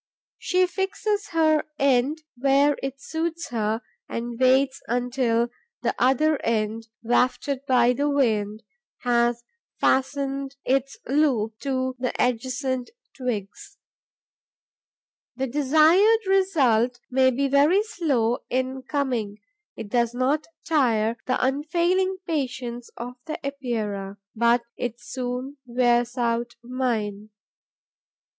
She fixes her end where it suits her and waits until the other end, wafted by the wind, has fastened its loop to the adjacent twigs. The desired result may be very slow in coming. It does not tire the unfailing patience of the Epeira, but it soon wears out mine.